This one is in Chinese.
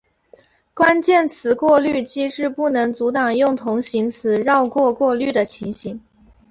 关键词过滤机制不能阻挡用同形词绕过过滤的情形。